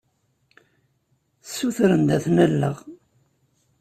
Ssutren-d ad ten-alleɣ.